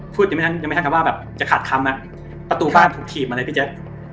พูดไม่ทั้งจะขาดคำประตูบ้านถูกถีบมาเลย